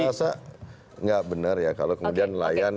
saya rasa nggak benar ya kalau kemudian nelayan